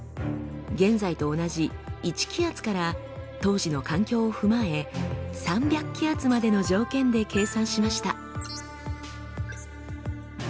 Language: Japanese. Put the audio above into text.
現在と同じ１気圧から当時の環境を踏まえ３００気圧までの条件で計算しました。